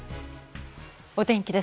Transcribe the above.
お天気です。